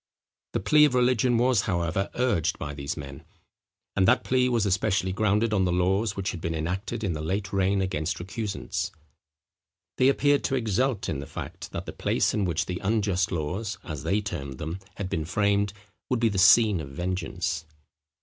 The plea of religion was, however, urged by these men: and that plea was especially grounded on the laws which had been enacted in the late reign against recusants. They appeared to exult in the fact, that the place in which the unjust laws, as they termed them, had been framed, would be the scene of vengeance.